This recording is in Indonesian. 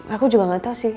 aku juga gak tau sih